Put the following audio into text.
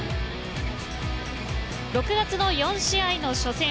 ６月の４試合の初戦。